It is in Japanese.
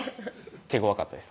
手ごわかったです